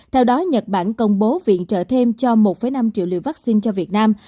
theo đó nhật bản công bố viện trợ thêm cho một năm triệu liều vaccine cho việt nam